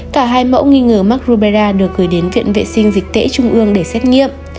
cả hai mẫu nghi ngờ mắc rubela được gửi đến viện vệ sinh dịch tễ trung ương để xét nghiệm